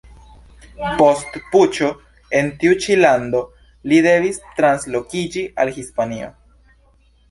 Post puĉo en tiu ĉi lando, li devis translokiĝi al Hispanio.